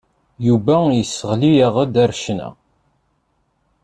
Yuba yesseɣli-aɣ-d ar ccna.